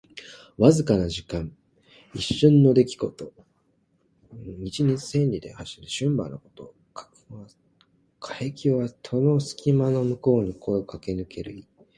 わずかな時間。一瞬の出来事。「騏驥」は一日で千里を走りきるといわれる駿馬のこと。「過隙」は戸の隙間の向こう側をかけぬける意。